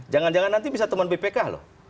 jangan jangan nanti bisa teman bpk loh